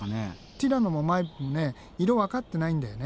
ティラノもマイプもね色わかってないんだよね。